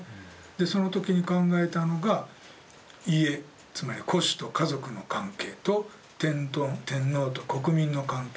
その時に考えたのが家つまり戸主と家族の関係と天皇と国民の関係